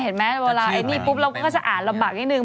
เห็นไหมเวลาเราก็จะอ่านลำบากนิดนึง